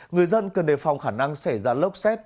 người dân cần đề phòng khả năng xảy ra lốc xét